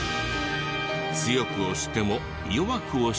強く押しても弱く押しても。